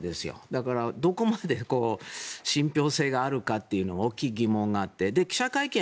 だから、どこまで信ぴょう性があるかっていうのは大きい疑問があって記者会見